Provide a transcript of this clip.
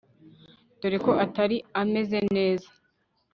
dore ko Atari ameze neza